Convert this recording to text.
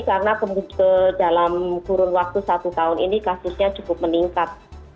karena dalam kurun waktu satu tahun ini kasusnya cukup meningkat